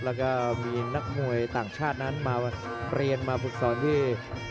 แล้วก็มีนักมวยต่างชาตินั้นมาเรียนมาฝึกสอนที่